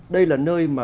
đây là nơi mà